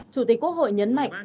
chủ tịch quốc hội nhấn mạnh